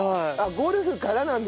ゴルフからなんですか。